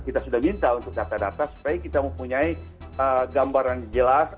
kita sudah minta untuk data data supaya kita mempunyai gambaran jelas